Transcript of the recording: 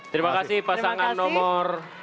terima kasih pasangan nomor